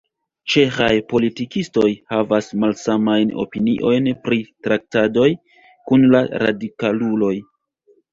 Ĉeĥaj politikistoj havas malsamajn opiniojn pri traktadoj kun la radikaluloj.